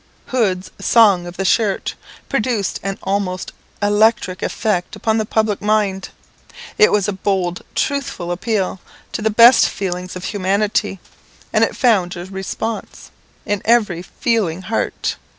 Hood's "Song of the Shirt" produced an almost electric effect upon the public mind. It was a bold, truthful appeal to the best feelings of humanity, and it found a response in every feeling heart.